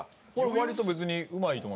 割と別にうまいと思います。